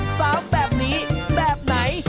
สาวแบบนี้แบบไหน